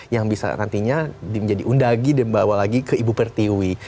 yang bisa nantinya menjadi undagi dan bawa lagi ke ibu pertiwi